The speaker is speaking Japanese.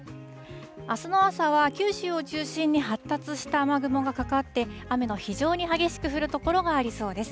あすの朝は九州を中心に発達した雨雲がかかって、雨の非常に激しく降る所がありそうです。